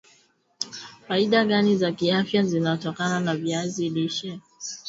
faida gani za kiafya zinatokana na viazi lishe